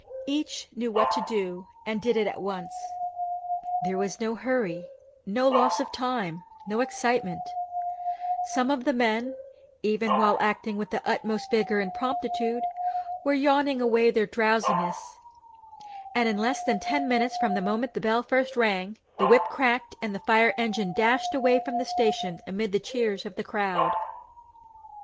Each knew what to do, and did it at once. There was no hurry, no loss of time, no excitement; some of the men, even while acting with the utmost vigour and promptitude, were yawning away their drowsiness; and in less than ten minutes from the moment the bell first rang the whip cracked and the fire engine dashed away from the station amid the cheers of the crowd.